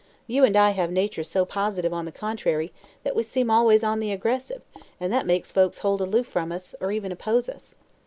You and I have natures so positive, on the contrary, that we seem always on the aggressive, and that makes folks hold aloof from us, or even oppose us."